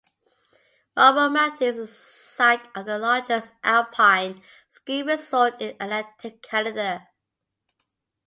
Marble Mountain is the site of the largest alpine ski resort in Atlantic Canada.